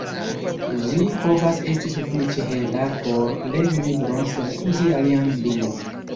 Ĝi povas esti sufiĉe hela por legi libron sen uzi alian lumon.